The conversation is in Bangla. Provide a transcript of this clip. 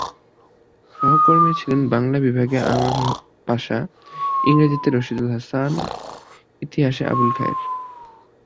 সহকর্মী ছিলেন বাংলা বিভাগে আনোয়ার পাশা, ইংরেজিতে রশীদুল হাসান, ইতিহাসে আবুল খায়ের।